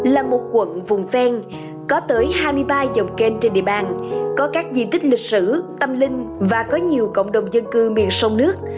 là một quận vùng ven có tới hai mươi ba dòng kênh trên địa bàn có các di tích lịch sử tâm linh và có nhiều cộng đồng dân cư miền sông nước